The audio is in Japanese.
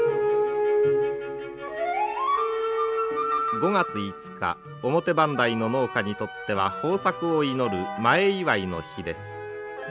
５月５日表磐梯の農家にとっては豊作を祈る前祝いの日です。